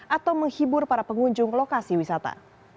atau menghibur para pengunjung lokasi wisata